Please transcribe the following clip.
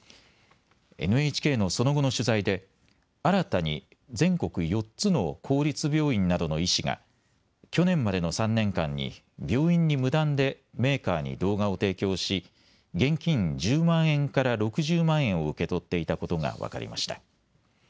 ＮＨＫのその後の取材で新たに全国４つの公立病院などの医師が去年までの３年間に病院に無断でメーカーに動画を提供し、現金１０万円から６０万円を受け取っていたことが分かりました。